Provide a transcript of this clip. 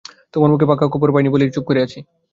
তোমার মুখে পাকা খবর পাই নি বলে চুপ করে আছি।